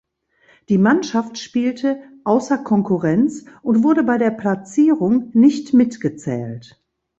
Die Mannschaft spielte "außer Konkurrenz" und wurde bei der Platzierung nicht mitgezählt.